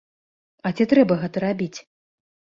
А ці трэба гэта рабіць?